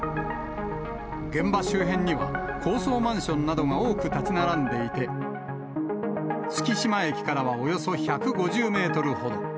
現場周辺には、高層マンションなどが多く建ち並んでいて、月島駅からはおよそ１５０メートルほど。